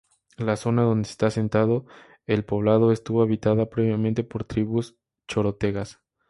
La zona donde está asentado el poblado estuvo habitada previamente por tribus chorotegas.